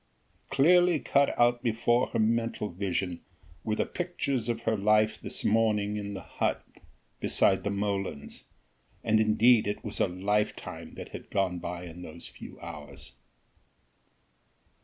Clearly cut out before her mental vision were the pictures of her life this morning in the hut beside the molens: and indeed, it was a lifetime that had gone by in those few hours.